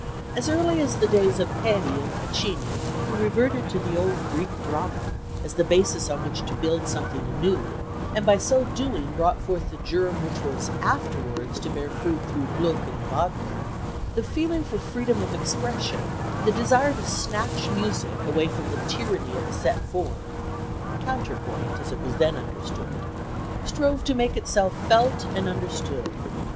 As early as the days of Peri and Caccini, who reverted to the old Greek drama as the basis on which to build something anew, and by so doing brought forth the germ which was afterwards to bear fruit through Gluck and Wagner, the feeling for freedom of expression, the desire to snatch music away from the tyranny of a set form counterpoint, as it was then understood strove to make itself felt and understood.